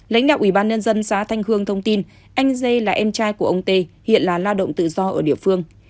lãnh đạo ủy ban nhân dân xá thanh hương thông tin anh d là em trai của ông t hiện là la động tự do ở địa phương